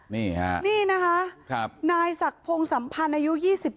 นี่ค่ะนี่นะคะนายศักดิ์พงศ์สัมพันธ์อายุ๒๙